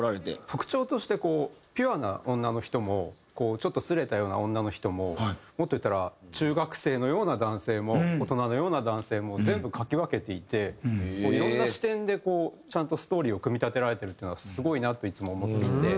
曲調としてピュアな女の人もちょっとすれたような女の人ももっと言ったら中学生のような男性も大人のような男性も全部書き分けていていろんな視点でこうちゃんとストーリーを組み立てられてるっていうのがすごいなといつも思っていて。